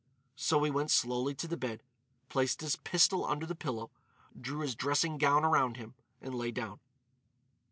So he went slowly to the bed, placed his pistol under the pillow, drew his dressing gown around him, and lay down.